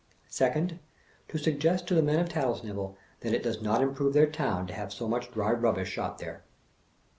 Second, to suggest to the men of Tattlesnivel that it does not improve their town to have so much Dry Eubbish shot there.